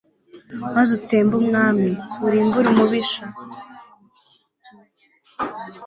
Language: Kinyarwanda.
maze utsembe umwanzi, urimbure umubisha